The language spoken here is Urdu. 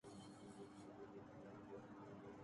سینماں میں حریم فاروق اور مایا علی بمقابلہ ماہرہ خان